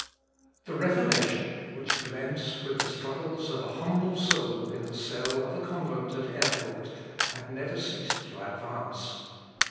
The Reformation, which commenced with the struggles of an humble soul in the cell of a convent at Erfurt, had never ceased to advance.